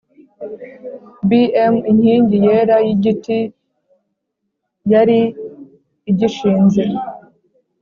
Bm inkingi yera y igiti yari igishinze